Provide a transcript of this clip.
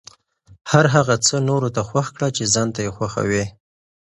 هر هغه څه نورو ته خوښ کړه چې ځان ته یې خوښوې.